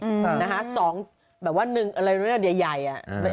อืมนะฮะสองแบบว่าหนึ่งอะไรใหญ่อ่ะ